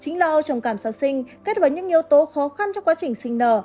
chính lão trồng cảm sau sinh kết hợp với những yếu tố khó khăn trong quá trình sinh nở